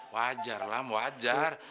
wajar lah wajar